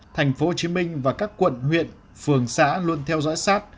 tp hcm và các quận huyện phường xã luôn theo dõi sát